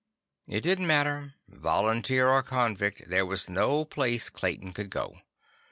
It didn't matter. Volunteer or convict, there was no place Clayton could go.